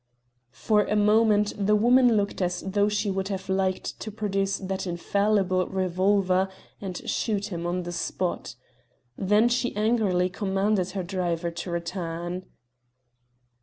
For a moment the woman looked as though she would have liked to produce that infallible revolver and shot him on the spot. Then she angrily commanded her driver to return.